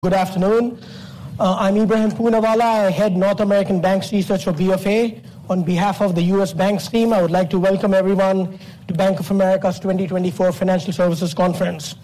Good afternoon. I'm Ebrahim Poonawala, I head North American Banks Research for BofA. On behalf of the BofA team, I would like to welcome everyone to Bank of America's 2024 Financial Services Conference.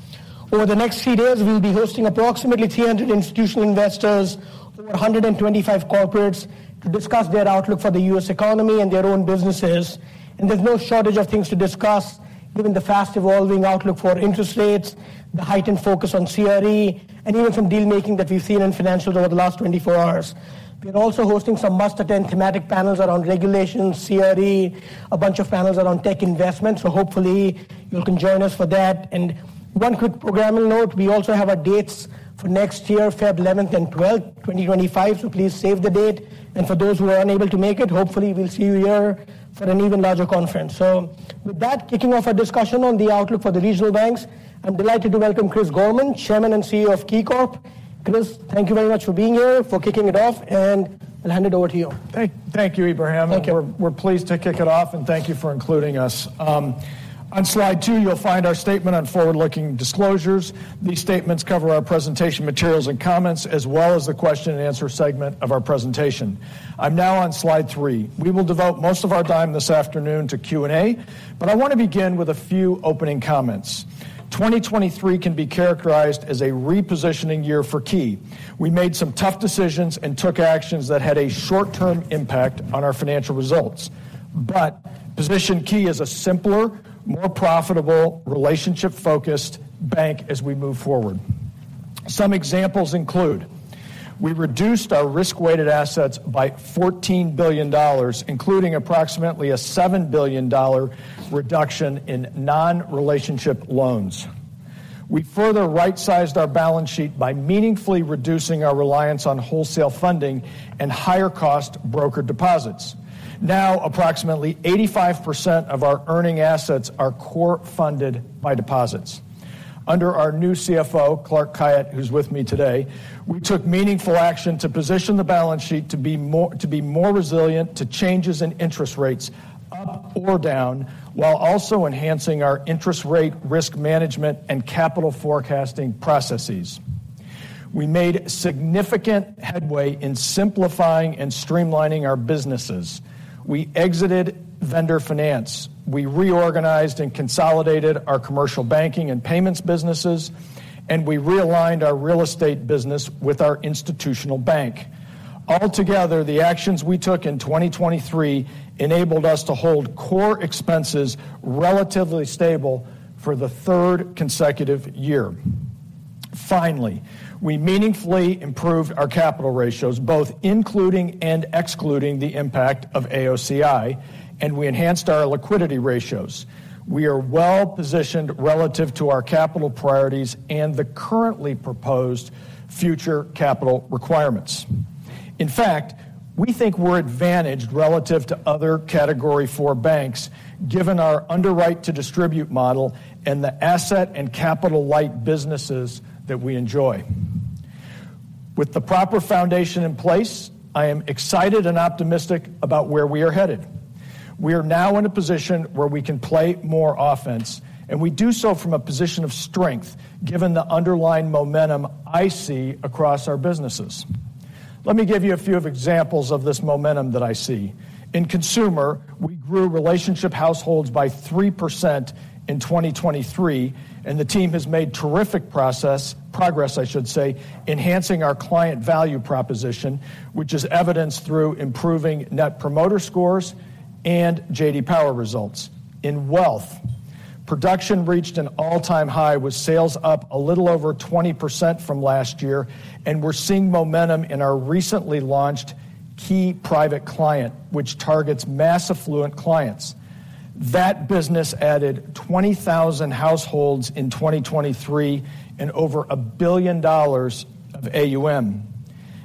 Over the next three days, we'll be hosting approximately 300 institutional investors or 125 corporates to discuss their outlook for the U.S. economy and their own businesses. There's no shortage of things to discuss, given the fast-evolving outlook for interest rates, the heightened focus on CRE, and even some deal-making that we've seen in financials over the last 24 hours. We're also hosting some must-attend thematic panels around regulation, CRE, a bunch of panels around tech investments, so hopefully you'll can join us for that. One quick programming note: we also have our dates for next year, February 11th and 12th, 2025, so please save the date. For those who are unable to make it, hopefully we'll see you here for an even larger conference. With that, kicking off our discussion on the outlook for the regional banks, I'm delighted to welcome Chris Gorman, Chairman and CEO of KeyCorp. Chris, thank you very much for being here, for kicking it off, and I'll hand it over to you. Thank you, Ebrahim. Okay. We're pleased to kick it off, and thank you for including us. On slide 2 you'll find our statement on forward-looking disclosures. These statements cover our presentation materials and comments, as well as the Q&A segment of our presentation. I'm now on slide 3. We will devote most of our time this afternoon to Q&A, but I want to begin with a few opening comments. 2023 can be characterized as a repositioning year for Key. We made some tough decisions and took actions that had a short-term impact on our financial results, but position Key as a simpler, more profitable, relationship-focused bank as we move forward. Some examples include: we reduced our risk-weighted assets by $14 billion, including approximately a $7 billion reduction in non-relationship loans. We further right-sized our balance sheet by meaningfully reducing our reliance on wholesale funding and higher-cost broker deposits. Now approximately 85% of our earning assets are core-funded by deposits. Under our new CFO, Clark Khayat, who's with me today, we took meaningful action to position the balance sheet to be more resilient to changes in interest rates up or down while also enhancing our interest rate risk management and capital forecasting processes. We made significant headway in simplifying and streamlining our businesses. We exited vendor finance. We reorganized and consolidated our commercial banking and payments businesses, and we realigned our real estate business with our institutional bank. Altogether, the actions we took in 2023 enabled us to hold core expenses relatively stable for the third consecutive year. Finally, we meaningfully improved our capital ratios, both including and excluding the impact of AOCI, and we enhanced our liquidity ratios. We are well-positioned relative to our capital priorities and the currently proposed future capital requirements. In fact, we think we're advantaged relative to other Category 4 banks, given our underwrite-to-distribute model and the asset and capital-light businesses that we enjoy. With the proper foundation in place, I am excited and optimistic about where we are headed. We are now in a position where we can play more offense, and we do so from a position of strength, given the underlying momentum I see across our businesses. Let me give you a few examples of this momentum that I see. In consumer, we grew relationship households by 3% in 2023, and the team has made terrific progress, I should say, enhancing our client value proposition, which is evidenced through improving Net Promoter Scores and J.D. Power results. In wealth, production reached an all-time high with sales up a little over 20% from last year, and we're seeing momentum in our recently launched Key Private Client, which targets mass affluent clients. That business added 20,000 households in 2023 and over $1 billion of AUM.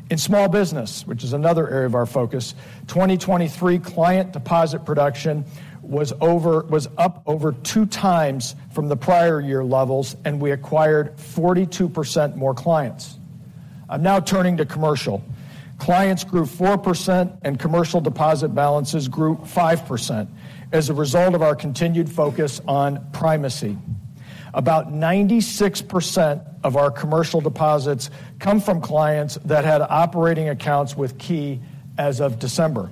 In small business, which is another area of our focus, 2023 client deposit production was up over two times from the prior year levels, and we acquired 42% more clients. I'm now turning to commercial. Clients grew 4%, and commercial deposit balances grew 5% as a result of our continued focus on primacy. About 96% of our commercial deposits come from clients that had operating accounts with Key as of December.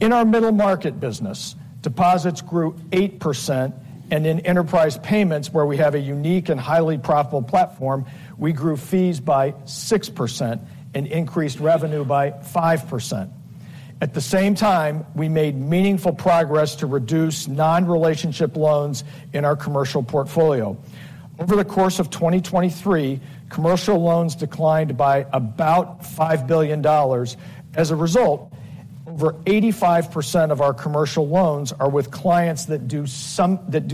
In our middle-market business, deposits grew 8%, and in enterprise payments, where we have a unique and highly profitable platform, we grew fees by 6% and increased revenue by 5%. At the same time, we made meaningful progress to reduce non-relationship loans in our commercial portfolio. Over the course of 2023, commercial loans declined by about $5 billion. As a result, over 85% of our commercial loans are with clients that do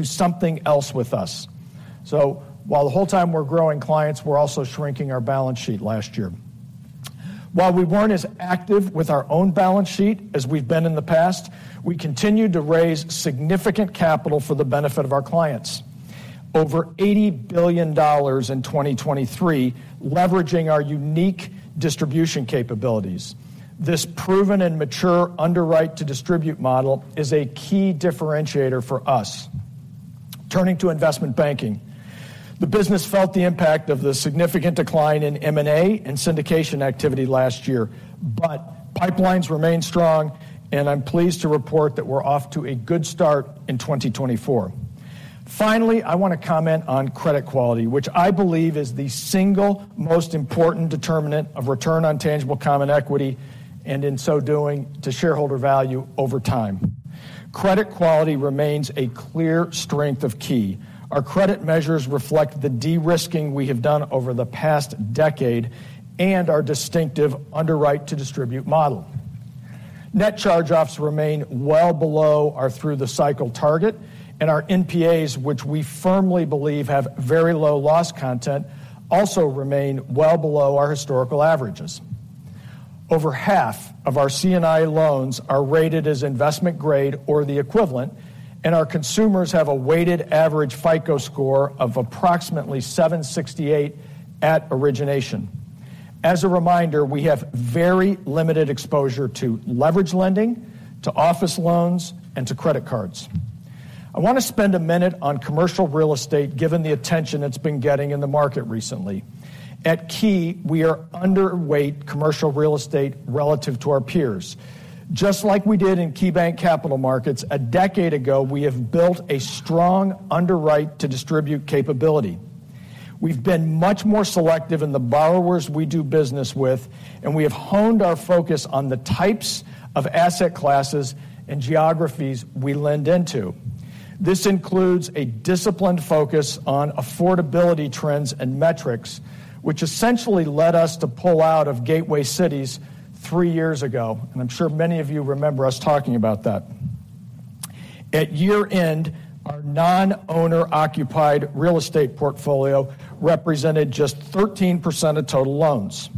something else with us. So while the whole time we're growing clients, we're also shrinking our balance sheet last year. While we weren't as active with our own balance sheet as we've been in the past, we continue to raise significant capital for the benefit of our clients. Over $80 billion in 2023 leveraging our unique distribution capabilities. This proven and mature underwrite-to-distribute model is a key differentiator for us. Turning to investment banking. The business felt the impact of the significant decline in M&A and syndication activity last year, but pipelines remain strong, and I'm pleased to report that we're off to a good start in 2024. Finally, I want to comment on credit quality, which I believe is the single most important determinant of return on tangible common equity and, in so doing, to shareholder value over time. Credit quality remains a clear strength of Key. Our credit measures reflect the de-risking we have done over the past decade and our distinctive underwrite-to-distribute model. Net charge-offs remain well below our through-the-cycle target, and our NPAs, which we firmly believe have very low loss content, also remain well below our historical averages. Over half of our C&I loans are rated as investment-grade or the equivalent, and our consumers have a weighted average FICO score of approximately 768 at origination. As a reminder, we have very limited exposure to leveraged lending, to office loans, and to credit cards. I want to spend a minute on commercial real estate, given the attention it's been getting in the market recently. At Key, we are underweight commercial real estate relative to our peers. Just like we did in KeyBanc Capital Markets a decade ago, we have built a strong underwrite-to-distribute capability. We've been much more selective in the borrowers we do business with, and we have honed our focus on the types of asset classes and geographies we lend into. This includes a disciplined focus on affordability trends and metrics, which essentially led us to pull out of gateway cities three years ago, and I'm sure many of you remember us talking about that. At year-end, our non-owner-occupied real estate portfolio represented just 13% of total loans.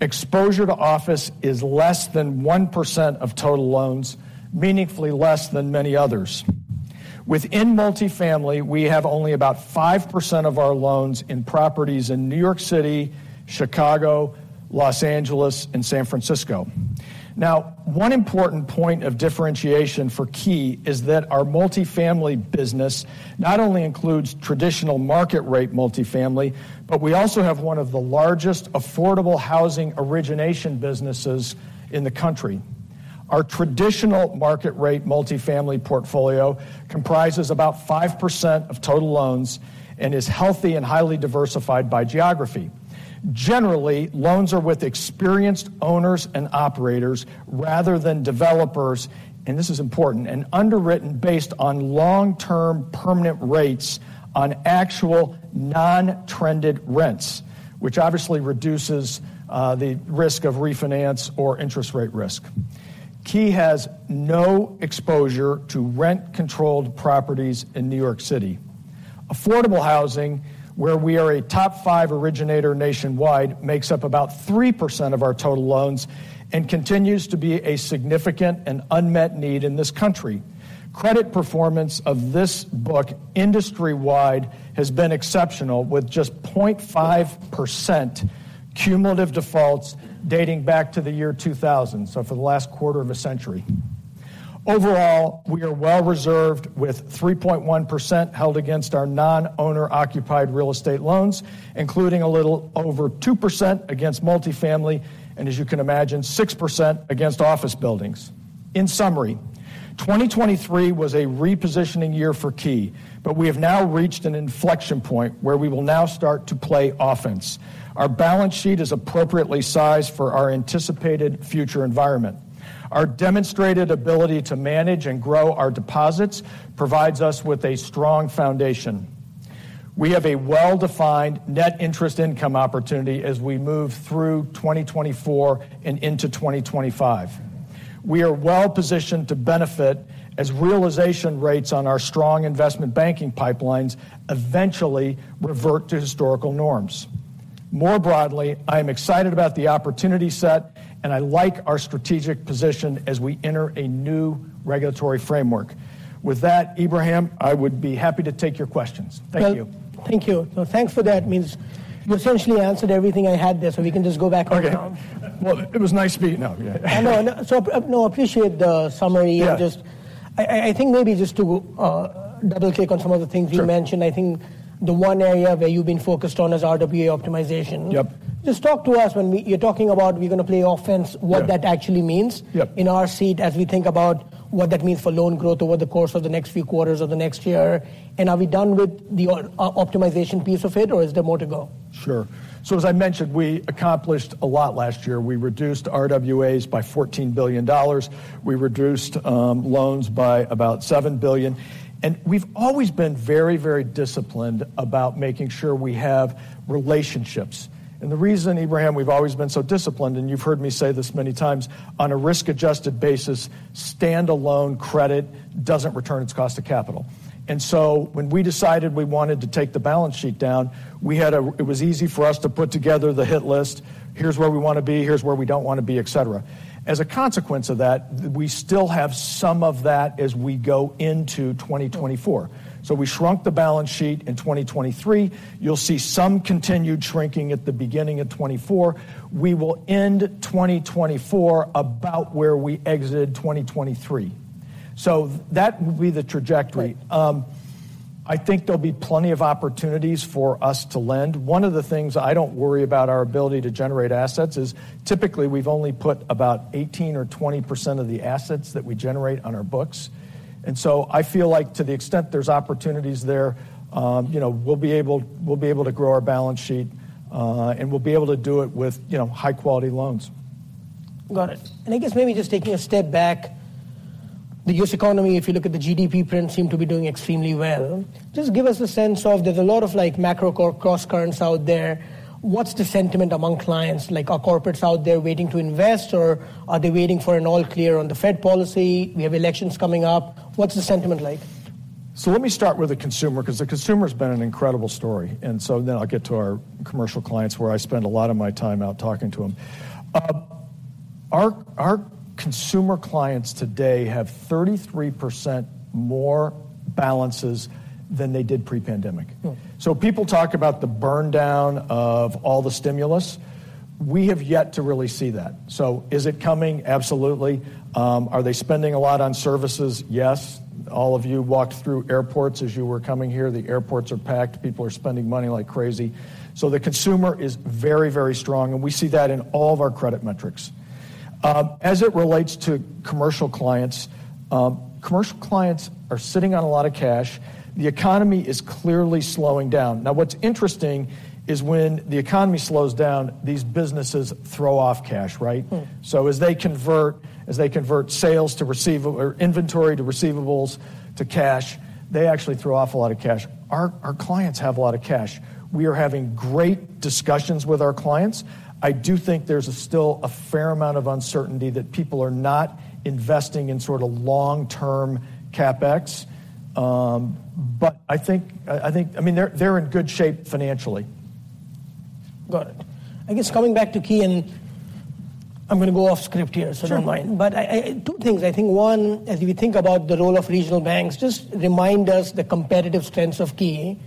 Exposure to office is less than 1% of total loans, meaningfully less than many others. Within multifamily, we have only about 5% of our loans in properties in New York City, Chicago, Los Angeles, and San Francisco. Now, one important point of differentiation for Key is that our multifamily business not only includes traditional market-rate multifamily, but we also have one of the largest affordable housing origination businesses in the country. Our traditional market-rate multifamily portfolio comprises about 5% of total loans and is healthy and highly diversified by geography. Generally, loans are with experienced owners and operators rather than developers, and this is important, and underwritten based on long-term permanent rates on actual non-trended rents, which obviously reduces the risk of refinance or interest rate risk. Key has no exposure to rent-controlled properties in New York City. Affordable housing, where we are a top 5 originator nationwide, makes up about 3% of our total loans and continues to be a significant and unmet need in this country. Credit performance of this book industry-wide has been exceptional, with just 0.5% cumulative defaults dating back to the year 2000, so for the last quarter of a century. Overall, we are well-reserved with 3.1% held against our non-owner-occupied real estate loans, including a little over 2% against multifamily and, as you can imagine, 6% against office buildings. In summary, 2023 was a repositioning year for Key, but we have now reached an inflection point where we will now start to play offense. Our balance sheet is appropriately sized for our anticipated future environment. Our demonstrated ability to manage and grow our deposits provides us with a strong foundation. We have a well-defined net interest income opportunity as we move through 2024 and into 2025. We are well-positioned to benefit as realization rates on our strong investment banking pipelines eventually revert to historical norms. More broadly, I am excited about the opportunity set, and I like our strategic position as we enter a new regulatory framework. With that, Ebrahim, I would be happy to take your questions. Thank you. Well, thank you. Thanks for that. It means you essentially answered everything I had there, so we can just go back on our home. Okay. Well, it was nice to be, no, yeah. I know. No, I appreciate the summary and just... Yeah. I think maybe just to double-click on some of the things you mentioned. I think the one area where you've been focused on is RWA optimization. Just talk to us when we're talking about we're going to play offense, what that actually means. In our seat, as we think about what that means for loan growth over the course of the next few quarters of the next year, and are we done with the optimization piece of it, or is there more to go? Sure. So as I mentioned, we accomplished a lot last year. We reduced RWAs by $14 billion. We reduced loans by about $7 billion. And we've always been very, very disciplined about making sure we have relationships. And the reason, Ebrahim, we've always been so disciplined, and you've heard me say this many times, on a risk-adjusted basis, standalone credit doesn't return its cost of capital. And so when we decided we wanted to take the balance sheet down, it was easy for us to put together the hit list: here's where we want to be, here's where we don't want to be, etc. As a consequence of that, we still have some of that as we go into 2024. So we shrunk the balance sheet in 2023. You'll see some continued shrinking at the beginning of 2024. We will end 2024 about where we exited 2023. So that will be the trajectory. I think there'll be plenty of opportunities for us to lend. One of the things I don't worry about, our ability to generate assets, is typically we've only put about 18%-20% of the assets that we generate on our books. So I feel like, to the extent there's opportunities there, you know, we'll be able to grow our balance sheet, and we'll be able to do it with, you know, high-quality loans. Got it. I guess maybe just taking a step back, the U.S. economy, if you look at the GDP print, seemed to be doing extremely well. Just give us a sense of there's a lot of, like, macro-cross-currents out there. What's the sentiment among clients? Like, are corporates out there waiting to invest, or are they waiting for an all-clear on the Fed policy? We have elections coming up. What's the sentiment like? So let me start with the consumer, because the consumer's been an incredible story, and so then I'll get to our commercial clients, where I spend a lot of my time out talking to them. Our- our consumer clients today have 33% more balances than they did pre-pandemic. So people talk about the burndown of all the stimulus. We have yet to really see that. So is it coming? Absolutely. Are they spending a lot on services? Yes. All of you walked through airports as you were coming here. The airports are packed. People are spending money like crazy. So the consumer is very, very strong, and we see that in all of our credit metrics. As it relates to commercial clients, commercial clients are sitting on a lot of cash. The economy is clearly slowing down. Now, what's interesting is when the economy slows down, these businesses throw off cash, right? So as they convert sales to receivables or inventory to receivables to cash, they actually throw off a lot of cash. Our clients have a lot of cash. We are having great discussions with our clients. I do think there's still a fair amount of uncertainty that people are not investing in sort of long-term CapEx, but I think, I mean, they're in good shape financially. Got it. I guess coming back to Key, and I'm going to go off-script here, so don't mind. But I two things. I think one, as we think about the role of regional banks, just remind us the competitive strengths of Key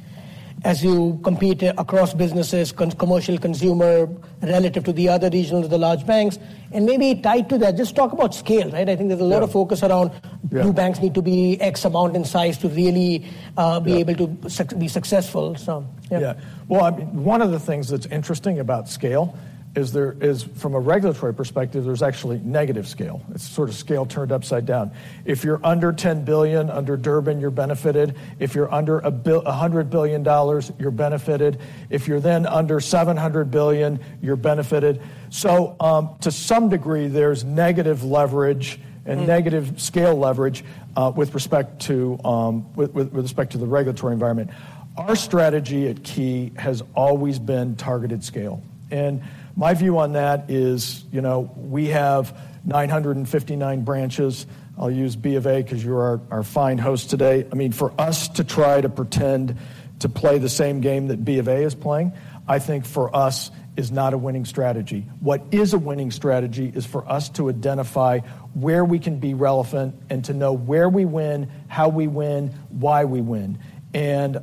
as you compete across businesses, commercial consumer relative to the other regional, the large banks. And maybe tied to that, just talk about scale, right? I think there's a lot of focus around. Do banks need to be X amount in size to really be able to be successful? So yeah. Yeah. Well, I mean, one of the things that's interesting about scale is there is from a regulatory perspective, there's actually negative scale. It's sort of scale turned upside down. If you're under $10 billion- under Durbin- you're benefited. If you're under $100 billion, you're benefited. If you're then under $700 billion, you're benefited. So, to some degree, there's negative leverage and negative scale leverage, with respect to the regulatory environment. Our strategy at Key has always been targeted scale. And my view on that is, you know, we have 959 branches. I'll use B of A because you're our fine host today. I mean, for us to try to pretend to play the same game that B of A is playing, I think for us is not a winning strategy. What a winning strategy is for us to identify where we can be relevant and to know where we win, how we win, why we win. And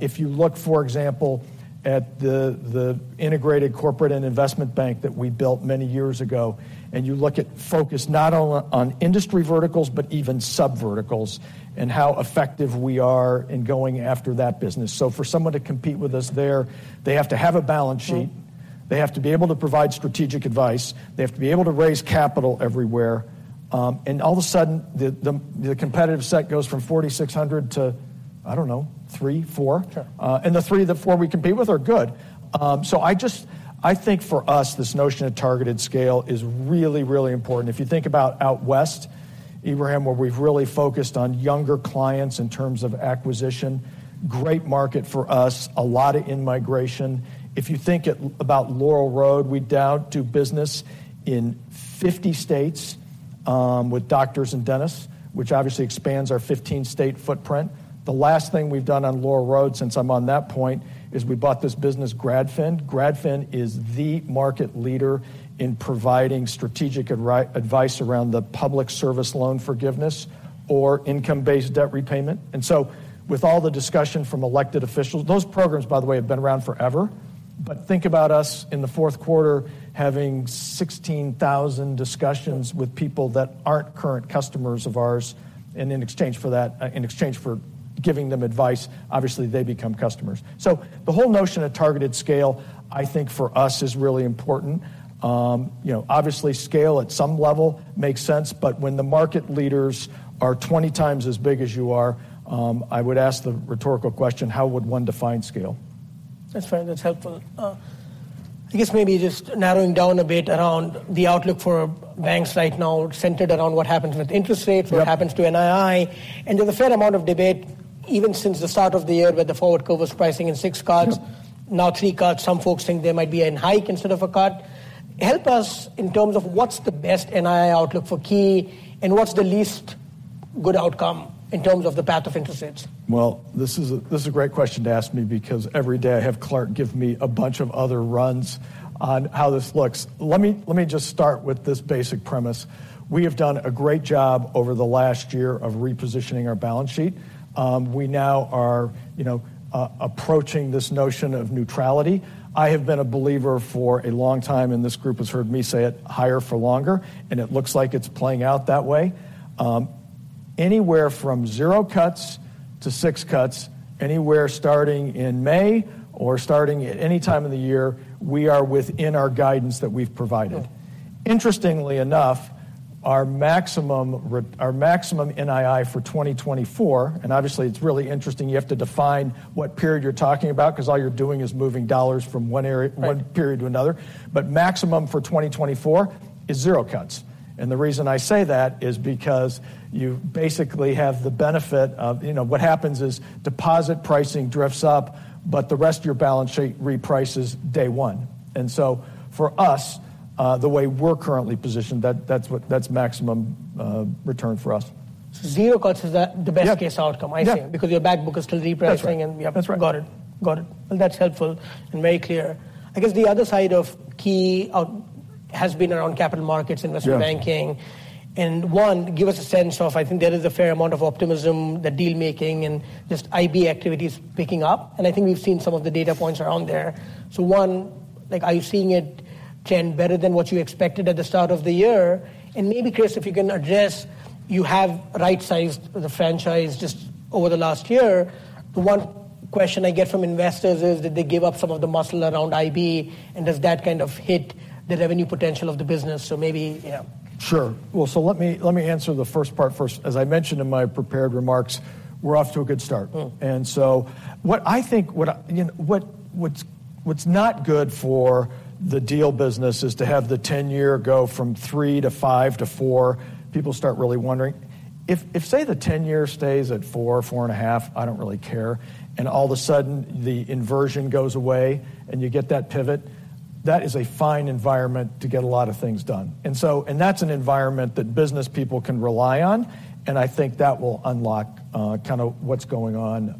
if you look, for example, at the integrated corporate and investment bank that we built many years ago, and you look at focus not only on industry verticals but even sub-verticals and how effective we are in going after that business. So for someone to compete with us there, they have to have a balance sheet. They have to be able to provide strategic advice. They have to be able to raise capital everywhere. And all of a sudden, the competitive set goes from 4,600 to, I don't know, 3, 4. The 3, the 4 we compete with are good. So I just think for us, this notion of targeted scale is really, really important. If you think about out west, Ebrahim, where we've really focused on younger clients in terms of acquisition, great market for us, a lot of in-migration. If you think about Laurel Road, we now do business in 50 states, with doctors and dentists, which obviously expands our 15-state footprint. The last thing we've done on Laurel Road since I'm on that point is we bought this business, GradFin. GradFin is the market leader in providing strategic advice around the Public Service Loan Forgiveness or income-based debt repayment. And so with all the discussion from elected officials those programs, by the way, have been around forever. But think about us in the fourth quarter having 16,000 discussions with people that aren't current customers of ours, and in exchange for that, in exchange for giving them advice, obviously, they become customers. So the whole notion of targeted scale, I think, for us is really important. You know, obviously, scale at some level makes sense, but when the market leaders are 20 times as big as you are, I would ask the rhetorical question, how would one define scale? That's fine. That's helpful. I guess maybe just narrowing down a bit around the outlook for banks right now centered around what happens with interest rates. What happens to NII? There's a fair amount of debate, even since the start of the year, where the forward curve was pricing in six cuts. Now 3 cuts. Some folks think there might be a hike instead of a cut. Help us in terms of what's the best NII outlook for Key, and what's the least good outcome in terms of the path of interest rates? Well, this is a great question to ask me because every day I have Clark give me a bunch of other runs on how this looks. Let me just start with this basic premise. We have done a great job over the last year of repositioning our balance sheet. We now are, you know, approaching this notion of neutrality. I have been a believer for a long time, and this group has heard me say it, higher for longer, and it looks like it's playing out that way. Anywhere from zero cuts to six cuts, anywhere starting in May or starting at any time in the year, we are within our guidance that we've provided. Interestingly enough, our maximum NII for 2024. And obviously, it's really interesting. You have to define what period you're talking about because all you're doing is moving dollars from one area, one period to another. But maximum for 2024 is zero cuts. And the reason I say that is because you basically have the benefit of, you know, what happens is deposit pricing drifts up, but the rest of your balance sheet reprices day one. And so for us, the way we're currently positioned, that's what's the maximum return for us. So zero cuts is the best-case outcome, I see. Yeah. Because your backbook is still repricing. Yeah. That's right. You have got it. Got it. Well, that's helpful and very clear. I guess the other side of KeyCorp has been around capital markets, investment banking. And one, give us a sense of I think there is a fair amount of optimism, the dealmaking, and just IB activities picking up. And I think we've seen some of the data points around there. So one, like, are you seeing it trend better than what you expected at the start of the year? And maybe, Chris, if you can address you have right-sized the franchise just over the last year. The one question I get from investors is, did they give up some of the muscle around IB, and does that kind of hit the revenue potential of the business? So maybe, yeah. Sure. Well, so let me answer the first part first. As I mentioned in my prepared remarks, we're off to a good start. And so what I think, you know, what's not good for the deal business is to have the 10-year go from 3 to 5 to 4. People start really wondering. If, say, the 10-year stays at 4, 4.5, I don't really care, and all of a sudden, the inversion goes away, and you get that pivot, that is a fine environment to get a lot of things done. And so that's an environment that business people can rely on, and I think that will unlock, kind of what's going on,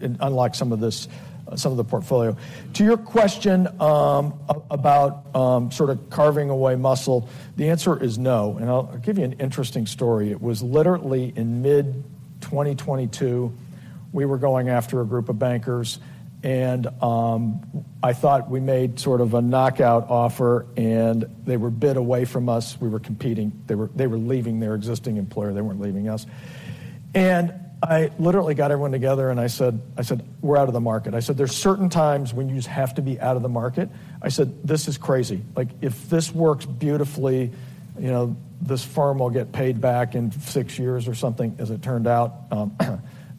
and unlock some of the portfolio. To your question, about sort of carving away muscle, the answer is no. And I'll give you an interesting story. It was literally in mid-2022, we were going after a group of bankers, and I thought we made sort of a knockout offer, and they were bid away from us. We were competing. They were leaving their existing employer. They weren't leaving us. And I literally got everyone together, and I said, "We're out of the market." I said, "There's certain times when you just have to be out of the market.". I said, "This is crazy. Like, if this works beautifully, you know, this firm will get paid back in six years or something," as it turned out,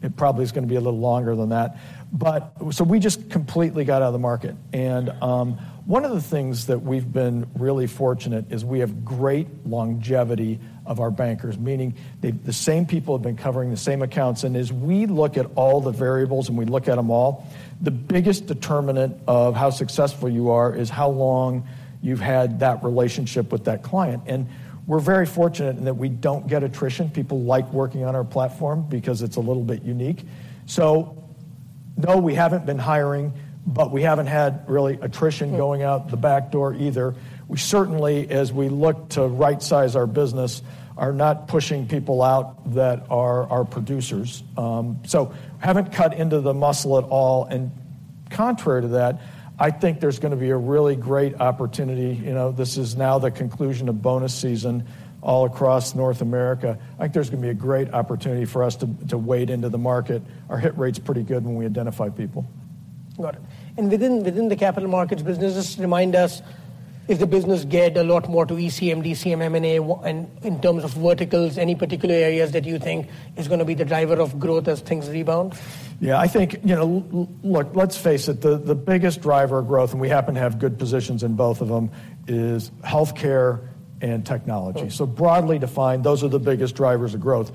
"it probably is going to be a little longer than that." But so we just completely got out of the market. One of the things that we've been really fortunate is we have great longevity of our bankers, meaning that the same people have been covering the same accounts. As we look at all the variables, and we look at them all, the biggest determinant of how successful you are is how long you've had that relationship with that client. We're very fortunate in that we don't get attrition. People like working on our platform because it's a little bit unique. So no, we haven't been hiring, but we haven't had really attrition going out the back door either. We certainly, as we look to right-size our business, are not pushing people out that are our producers, so haven't cut into the muscle at all. Contrary to that, I think there's going to be a really great opportunity. You know, this is now the conclusion of bonus season all across North America. I think there's going to be a great opportunity for us to, to wade into the market. Our hit rate's pretty good when we identify people. Got it. And within the capital markets business, just remind us, if the business get a lot more to ECM, DCM, M&A, and in terms of verticals, any particular areas that you think is going to be the driver of growth as things rebound? Yeah. I think, you know, look, let's face it. The biggest driver of growth, and we happen to have good positions in both of them, is healthcare and technology. So broadly defined, those are the biggest drivers of growth.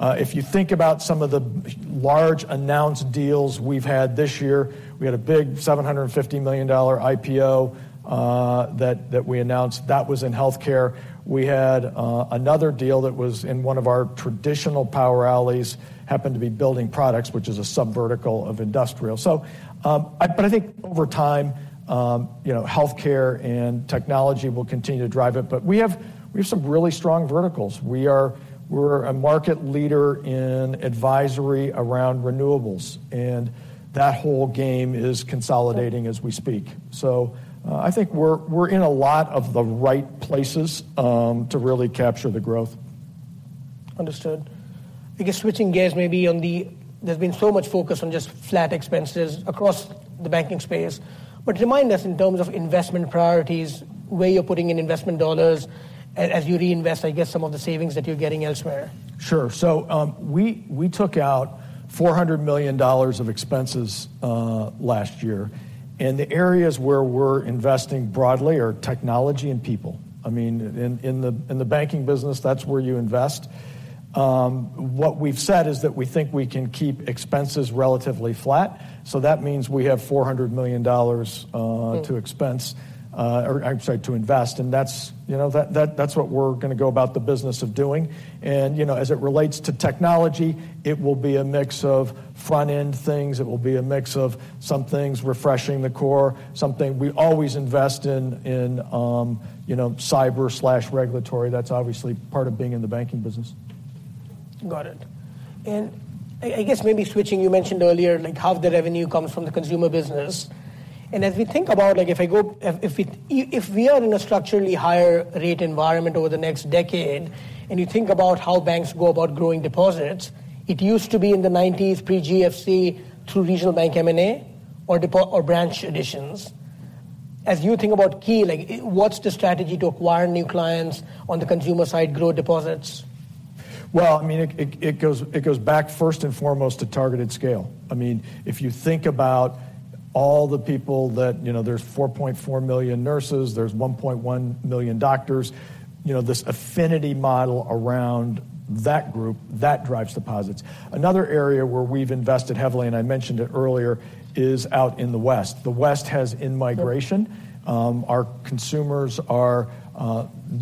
If you think about some of the large announced deals we've had this year, we had a big $750 million IPO that we announced. That was in healthcare. We had another deal that was in one of our traditional power alleys, happened to be building products, which is a sub-vertical of industrial. So, but I think over time, you know, healthcare and technology will continue to drive it. But we have some really strong verticals. We are a market leader in advisory around renewables, and that whole game is consolidating as we speak. So, I think we're in a lot of the right places to really capture the growth. Understood. I guess, switching gears maybe on the, there's been so much focus on just flat expenses across the banking space. But remind us in terms of investment priorities, where you're putting in investment dollars, as you reinvest, I guess, some of the savings that you're getting elsewhere. Sure. So, we took out $400 million of expenses last year. And the areas where we're investing broadly are technology and people. I mean, in the banking business, that's where you invest. What we've said is that we think we can keep expenses relatively flat. So that means we have $400 million to expense, or I'm sorry, to invest. And that's, you know, that's what we're going to go about the business of doing. And, you know, as it relates to technology, it will be a mix of front-end things. It will be a mix of some things refreshing the core, something we always invest in, you know, cyber/regulatory. That's obviously part of being in the banking business. Got it. I guess maybe switching, you mentioned earlier, like, half the revenue comes from the consumer business. And as we think about, like, if we are in a structurally higher-rate environment over the next decade, and you think about how banks go about growing deposits, it used to be in the '90s pre-GFC through regional bank M&A or depo or branch additions. As you think about Key, like, what's the strategy to acquire new clients on the consumer side, grow deposits? Well, I mean, it goes back first and foremost to targeted scale. I mean, if you think about all the people that, you know, there's 4.4 million nurses. There's 1.1 million doctors. You know, this affinity model around that group, that drives deposits. Another area where we've invested heavily, and I mentioned it earlier, is out in the West. The West has in-migration. Our consumers are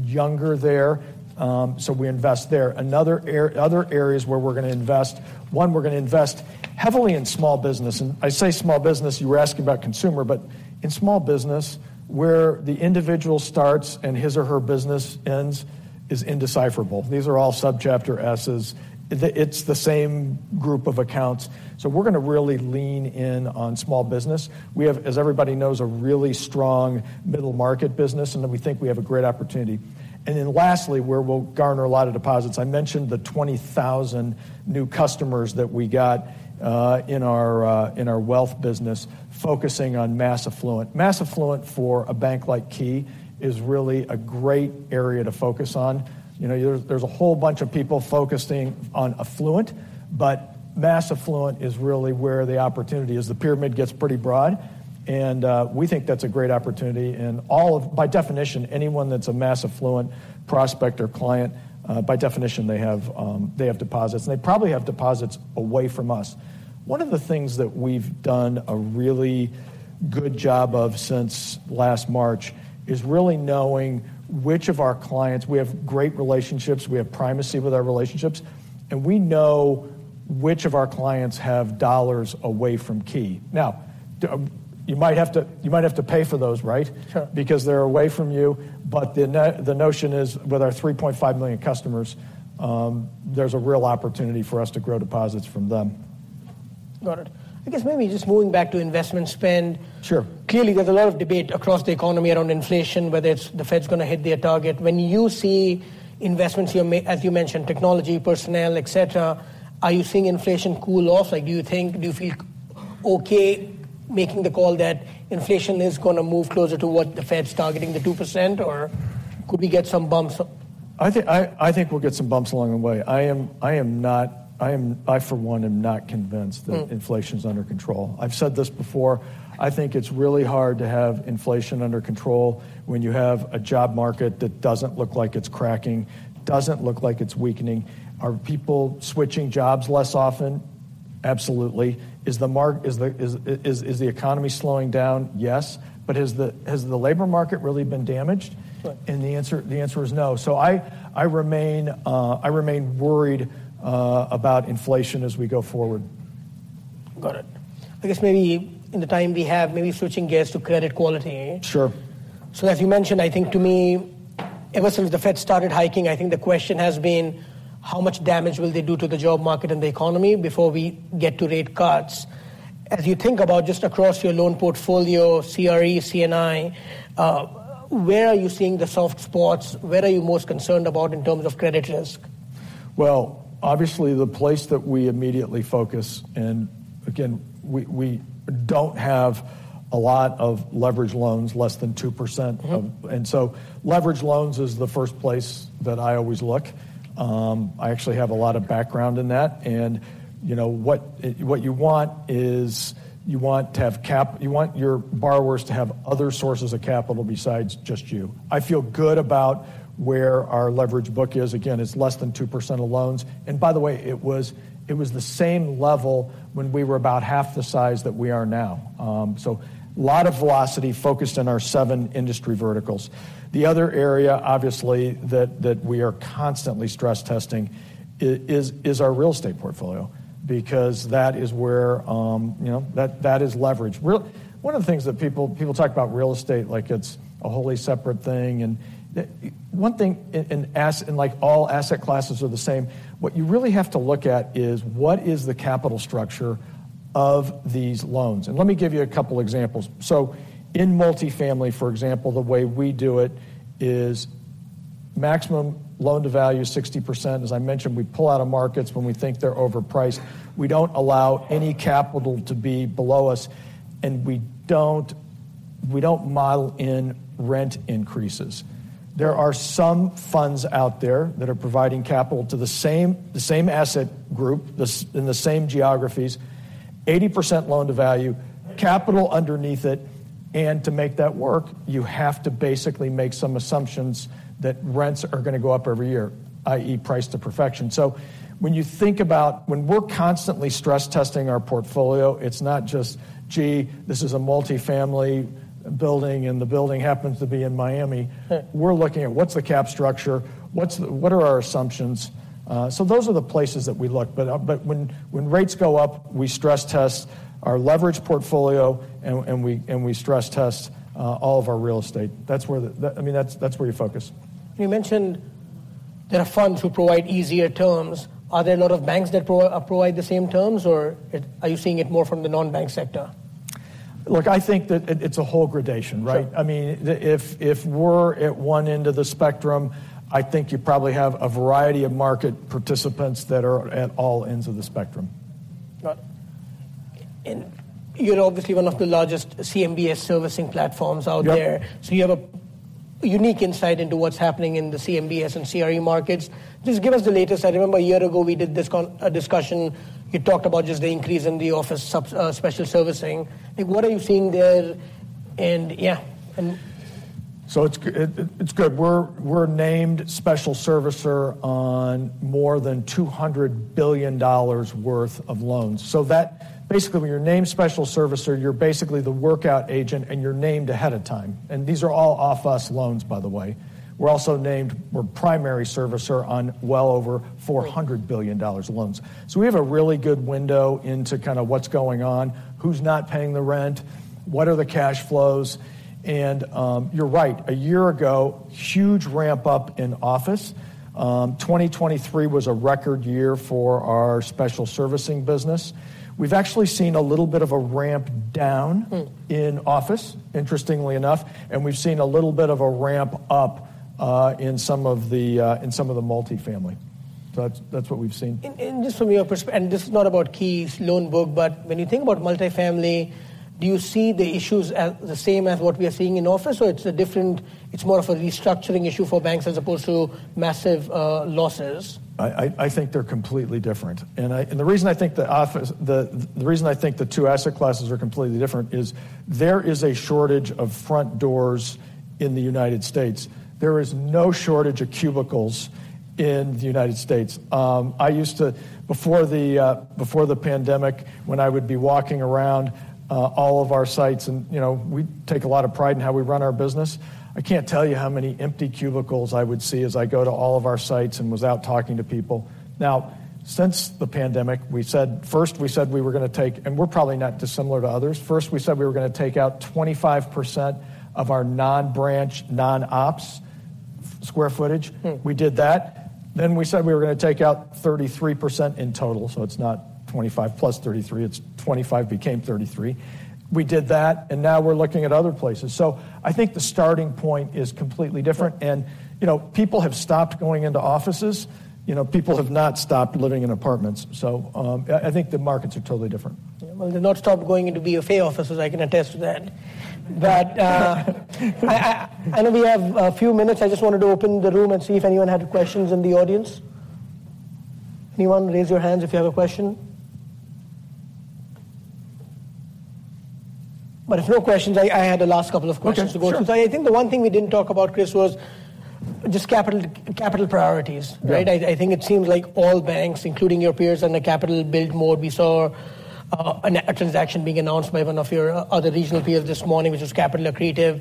younger there, so we invest there. Another area, other areas where we're going to invest, one, we're going to invest heavily in small business. And I say small business. You were asking about consumer, but in small business, where the individual starts and his or her business ends is indiscernible. These are all Subchapter S's. It's the same group of accounts. So we're going to really lean in on small business. We have, as everybody knows, a really strong middle-market business, and then we think we have a great opportunity. And then lastly, where we'll garner a lot of deposits. I mentioned the 20,000 new customers that we got, in our, in our wealth business focusing on mass affluent. Mass affluent for a bank like Key is really a great area to focus on. You know, there's, there's a whole bunch of people focusing on affluent, but mass affluent is really where the opportunity is. The pyramid gets pretty broad, and, we think that's a great opportunity. And all of by definition, anyone that's a mass affluent prospect or client, by definition, they have, they have deposits. And they probably have deposits away from us. One of the things that we've done a really good job of since last March is really knowing which of our clients we have great relationships. We have primacy with our relationships. And we know which of our clients have dollars away from Key. Now, you might have to pay for those, right? Because they're away from you. But the notion is, with our 3.5 million customers, there's a real opportunity for us to grow deposits from them. Got it. I guess maybe just moving back to investment spend. Clearly, there's a lot of debate across the economy around inflation, whether it's the Fed's going to hit their target. When you see investments you're making, as you mentioned, technology, personnel, etc., are you seeing inflation cool off? Like, do you think do you feel okay making the call that inflation is going to move closer to what the Fed's targeting, the 2%, or could we get some bumps? I think we'll get some bumps along the way. I, for one, am not convinced that inflation's under control. I've said this before. I think it's really hard to have inflation under control when you have a job market that doesn't look like it's cracking, doesn't look like it's weakening. Are people switching jobs less often? Absolutely. Is the economy slowing down? Yes. But has the labor market really been damaged? The answer is no. So I remain worried about inflation as we go forward. Got it. I guess maybe in the time we have, maybe switching gears to credit quality. So as you mentioned, I think to me, ever since the Fed started hiking, I think the question has been, how much damage will they do to the job market and the economy before we get to rate cuts? As you think about just across your loan portfolio, CRE, C&I, where are you seeing the soft spots? Where are you most concerned about in terms of credit risk? Well, obviously, the place that we immediately focus, and again, we don't have a lot of leveraged loans, less than 2% of, and so leveraged loans is the first place that I always look. I actually have a lot of background in that. And, you know, what you want is you want to have cap; you want your borrowers to have other sources of capital besides just you. I feel good about where our leveraged book is. Again, it's less than 2% of loans. And by the way, it was the same level when we were about half the size that we are now. So a lot of velocity focused in our seven industry verticals. The other area, obviously, that we are constantly stress-testing is our real estate portfolio because that is where, you know, that is leverage. One of the things that people, people talk about real estate, like, it's a wholly separate thing. And the one thing in, in assessing, like, all asset classes are the same. What you really have to look at is, what is the capital structure of these loans? And let me give you a couple examples. So in multifamily, for example, the way we do it is maximum loan to value is 60%. As I mentioned, we pull out of markets when we think they're overpriced. We don't allow any capital to be below us, and we don't model in rent increases. There are some funds out there that are providing capital to the same the same asset group, the same in the same geographies, 80% loan to value, capital underneath it. And to make that work, you have to basically make some assumptions that rents are going to go up every year, i.e., price to perfection. So when you think about when we're constantly stress-testing our portfolio, it's not just, "Gee, this is a multifamily building, and the building happens to be in Miami." We're looking at, what's the cap structure? What are our assumptions? So those are the places that we look. But when rates go up, we stress-test our leveraged portfolio, and we stress-test all of our real estate. That's where; I mean, that's where you focus. You mentioned there are funds who provide easier terms. Are there a lot of banks that provide the same terms, or are you seeing it more from the non-bank sector? Look, I think that it's a whole gradation, right? I mean, if we're at one end of the spectrum, I think you probably have a variety of market participants that are at all ends of the spectrum. Got it. You're obviously one of the largest CMBS servicing platforms out there. So you have a unique insight into what's happening in the CMBS and CRE markets. Just give us the latest. I remember a year ago, we did this conference discussion. You talked about just the increase in the office special servicing. Like, what are you seeing there? So it's good. We're named special servicer on more than $200 billion worth of loans. So that basically, when you're named special servicer, you're basically the workout agent, and you're named ahead of time. And these are all off-us loans, by the way. We're also named primary servicer on well over $400 billion loans. So we have a really good window into kind of what's going on, who's not paying the rent, what are the cash flows. And, you're right. A year ago, huge ramp-up in office. 2023 was a record year for our special servicing business. We've actually seen a little bit of a ramp down in office, interestingly enough. And we've seen a little bit of a ramp up in some of the multifamily. So that's what we've seen. Just from your perspective and this is not about Key's loan book, but when you think about multifamily, do you see the issues as the same as what we are seeing in office, or it's a different, it's more of a restructuring issue for banks as opposed to massive losses? I think they're completely different. And the reason I think the two asset classes are completely different is there is a shortage of front doors in the United States. There is no shortage of cubicles in the United States. I used to, before the pandemic, when I would be walking around, all of our sites and, you know, we take a lot of pride in how we run our business, I can't tell you how many empty cubicles I would see as I go to all of our sites and was out talking to people. Now, since the pandemic, we said first, we said we were going to take and we're probably not dissimilar to others. First, we said we were going to take out 25% of our non-branch, non-ops square footage. We did that. Then we said we were going to take out 33% in total. So it's not 25 plus 33. It's 25 became 33. We did that. And now we're looking at other places. So I think the starting point is completely different. And, you know, people have stopped going into offices. You know, people have not stopped living in apartments. So, I think the markets are totally different. Yeah. Well, they've not stopped going into BofA offices, I can attest to that. But, I know we have a few minutes. I just wanted to open the room and see if anyone had questions in the audience. Anyone, raise your hands if you have a question? But if no questions, I had the last couple of questions to go through. I think the one thing we didn't talk about, Chris, was just capital- capital priorities, right? Yeah. I think it seems like all banks, including your peers and the capital build mode, we saw a transaction being announced by one of your other regional peers this morning, which was capital accretive.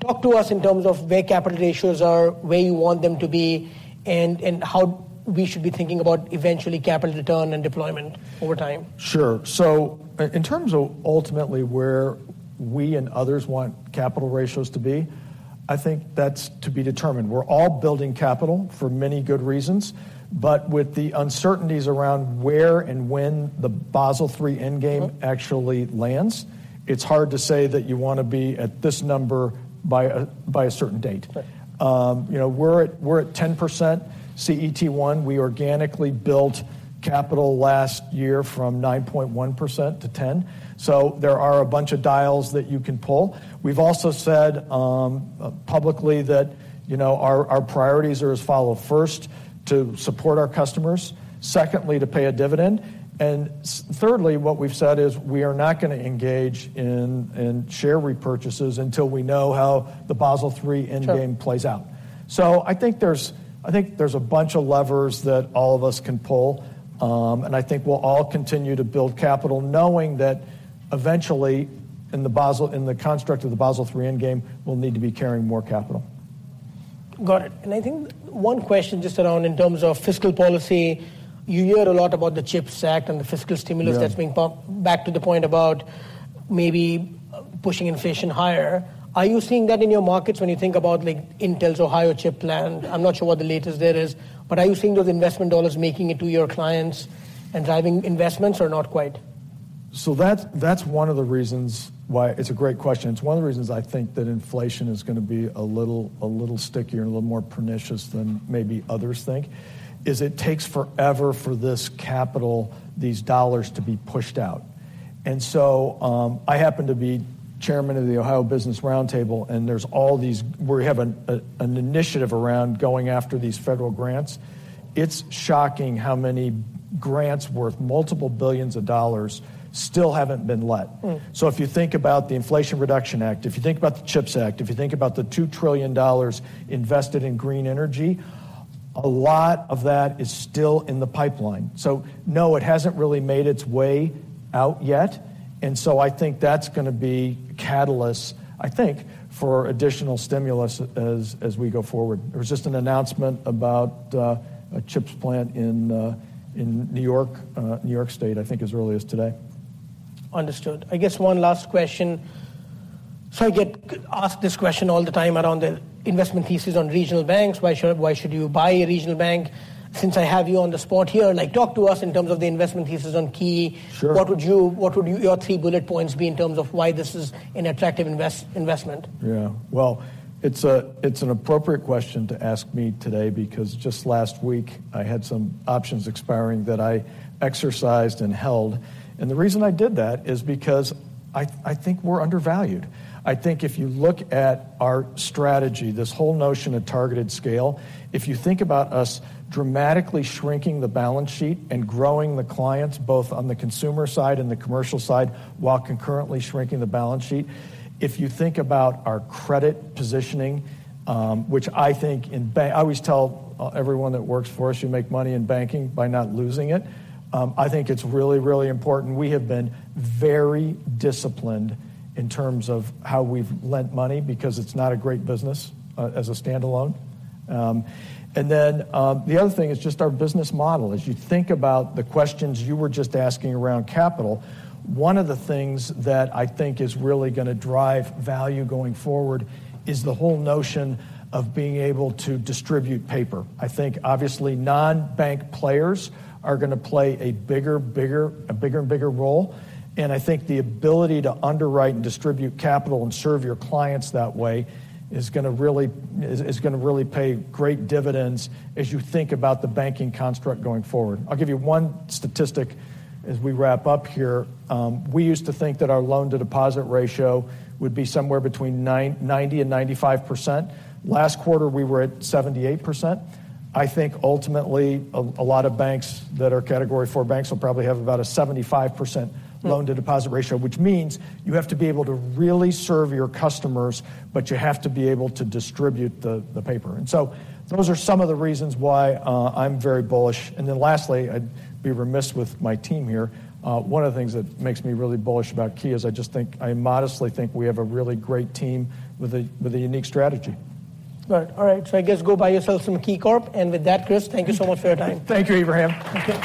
Talk to us in terms of where capital ratios are, where you want them to be, and how we should be thinking about eventually capital return and deployment over time. Sure. So in terms of ultimately where we and others want capital ratios to be, I think that's to be determined. We're all building capital for many good reasons. But with the uncertainties around where and when the Basel III Endgame actually lands, it's hard to say that you want to be at this number by a certain date. You know, we're at 10% CET1. We organically built capital last year from 9.1% to 10%. So there are a bunch of dials that you can pull. We've also said publicly that, you know, our priorities are as follows. First, to support our customers. Secondly, to pay a dividend. And thirdly, what we've said is, we are not going to engage in share repurchases until we know how the Basel III Endgame plays out. So I think there's a bunch of levers that all of us can pull. And I think we'll all continue to build capital knowing that eventually, in the construct of the Basel III Endgame, we'll need to be carrying more capital. Got it. And I think one question just around in terms of fiscal policy. You hear a lot about the CHIPS Act and the fiscal stimulus that's being put back to the point about maybe pushing inflation higher. Are you seeing that in your markets when you think about, like, Intel's Ohio chip plant? I'm not sure what the latest there is. But are you seeing those investment dollars making it to your clients and driving investments, or not quite? So that's, that's one of the reasons why it's a great question. It's one of the reasons I think that inflation is going to be a little a little stickier and a little more pernicious than maybe others think, is it takes forever for this capital these dollars to be pushed out. And so, I happen to be chairman of the Ohio Business Roundtable, and there's all these we have an initiative around going after these federal grants. It's shocking how many grants worth multiple billions of dollars still haven't been let. So if you think about the Inflation Reduction Act, if you think about the CHIPS Act, if you think about the $2 trillion invested in green energy, a lot of that is still in the pipeline. So no, it hasn't really made its way out yet. And so I think that's going to be a catalyst, I think, for additional stimulus as we go forward. There was just an announcement about a chip plant in New York, New York State, I think, as early as today. Understood. I guess one last question. So I get asked this question all the time around the investment thesis on regional banks. Why should you buy a regional bank? Since I have you on the spot here, like, talk to us in terms of the investment thesis on Key. What would your three bullet points be in terms of why this is an attractive investment? Yeah. Well, it's an appropriate question to ask me today because just last week, I had some options expiring that I exercised and held. And the reason I did that is because I think we're undervalued. I think if you look at our strategy, this whole notion of targeted scale, if you think about us dramatically shrinking the balance sheet and growing the clients, both on the consumer side and the commercial side, while concurrently shrinking the balance sheet, if you think about our credit positioning, which I think in banking I always tell everyone that works for us, you make money in banking by not losing it. I think it's really, really important. We have been very disciplined in terms of how we've lent money because it's not a great business, as a standalone. And then, the other thing is just our business model. As you think about the questions you were just asking around capital, one of the things that I think is really going to drive value going forward is the whole notion of being able to distribute paper. I think, obviously, non-bank players are going to play a bigger and bigger role. And I think the ability to underwrite and distribute capital and serve your clients that way is going to really is going to really pay great dividends as you think about the banking construct going forward. I'll give you one statistic as we wrap up here. We used to think that our loan to deposit ratio would be somewhere between 90%-95%. Last quarter, we were at 78%. I think, ultimately, a lot of banks that are category four banks will probably have about a 75% loan to deposit ratio, which means you have to be able to really serve your customers, but you have to be able to distribute the paper. And so those are some of the reasons why, I'm very bullish. And then lastly, I'd be remiss with my team here. One of the things that makes me really bullish about Key is I just think I modestly think we have a really great team with a unique strategy. Right. All right. So I guess go buy yourself some KeyCorp. And with that, Chris, thank you so much for your time. Thank you, Ebrahim. Okay.